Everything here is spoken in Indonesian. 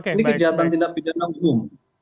ini kejahatan tindak pidana umum